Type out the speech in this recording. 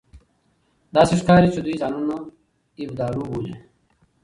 داسې ښکاري چې دوی ځانونه اېبودالو بولي